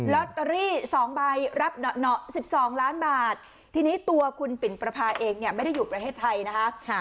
ลอตเตอรี่๒ใบรับ๑๒ล้านบาททีนี้ตัวคุณปิ่นประพาเองเนี่ยไม่ได้อยู่ประเทศไทยนะคะ